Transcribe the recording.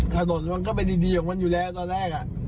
ถนนมันก็เป็นดีของมันอยู่แล้วตอนแรก